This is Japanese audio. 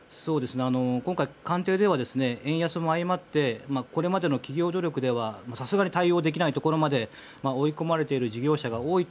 今回、官邸では円安も相まってこれまでの企業努力ではさすがに対応できないところまで追い込まれている事業者が多い。